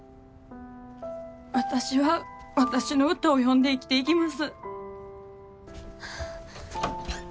私は私の歌を詠んで生きていきます。